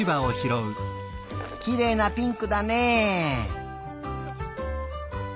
きれいなピンクだね。